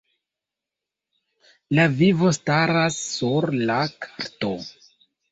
La vivo staras sur la karto.